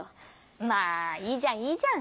まあいいじゃんいいじゃん！